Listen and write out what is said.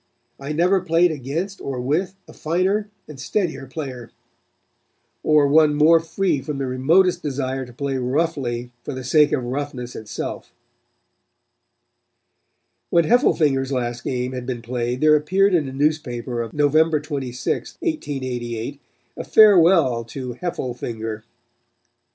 I never played against or with a finer and steadier player, or one more free from the remotest desire to play roughly for the sake of roughness itself." When Heffelfinger's last game had been played there appeared in a newspaper of November 26th, 1888, a farewell to Heffelfinger.